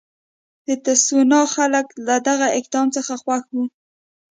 د تسوانا خلک له دغه اقدام څخه خوښ وو.